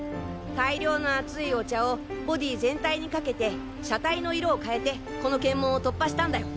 大量の熱いお茶をボディー全体にかけて車体の色を変えてこの検問を突破したんだよ！